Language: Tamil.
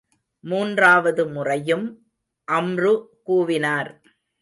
மூன்றாவது முறையும் அம்ரு கூவினார்.